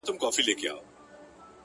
هغه دي مړه سي زموږ نه دي په كار ـ